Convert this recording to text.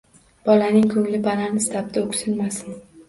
Bolaning koʻngli banan istabdi, oʻksinmasin.